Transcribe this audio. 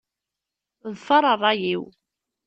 Ḍfeṛ ṛṛay-iw.